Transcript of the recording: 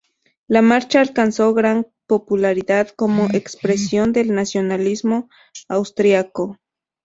La marcha alcanzó gran popularidad como expresión del nacionalismo austriaco.